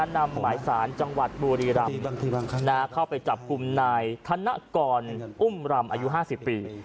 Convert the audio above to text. นำหมายสารจังหวัดบุรีรำเข้าไปจับกลุ่มนายธนกรอุ้มรำอายุ๕๐ปี